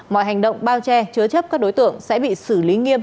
mọi hành động bao che chứa chấp các đối tượng sẽ bị xử lý nghiêm